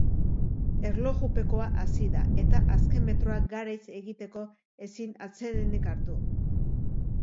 Erlojupekoa hasi da, eta azken metroak garaiz egiteko ezin atsedenik hartu.